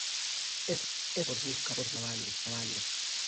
Es famosa por sus carnavales.